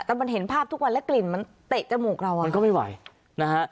แต่มันเห็นภาพทุกวันแล้วกลิ่นมันเตะจมูกเราอ่ะมันก็ไม่ไหวนะฮะ